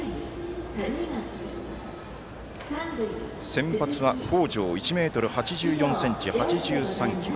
先発は北條１ｍ８４ｃｍ、８３ｋｇ。